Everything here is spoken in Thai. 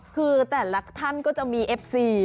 คือแต่ละท่านก็จะมีเอฟซี